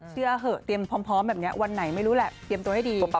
เชื่อเหอะเตรียมพร้อมแบบนี้วันไหนไม่รู้แหละเตรียมตัวให้ดี